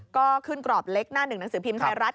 ก็ขึ้นกรอบเล็กหน้าหนึ่งหนังสือพิมพ์ไทยรัฐ